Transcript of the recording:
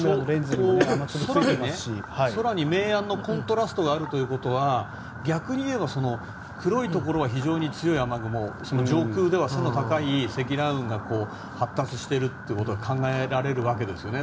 ちょうど、空に明暗のコントラストがあるということは逆に言えば、黒いところは非常に強い雨雲上空では背の高い積乱雲が発達していると考えられるわけですよね。